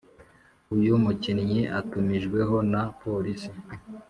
uyu mukinnyi atumijweho na Polisi